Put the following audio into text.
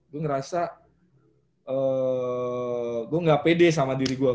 gue ngerasa gue gak pede sama diri gue